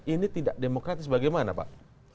ini tidak demokratis bagaimana pak